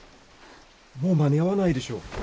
もう間に合わないでしょう。